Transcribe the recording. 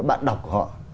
bạn đọc của họ